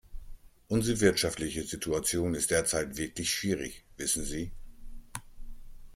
Unsere wirtschaftliche Situation ist derzeit wirklich schwierig, wissen Sie.